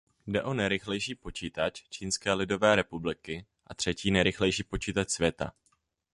Jde o nejrychlejší počítač Čínské lidové republiky a třetí nejrychlejší počítač světa.